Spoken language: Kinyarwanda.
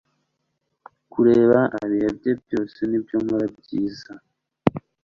kureba abihebye byose nibyo nkora byiza